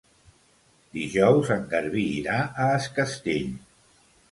Dijous en Garbí irà a Es Castell.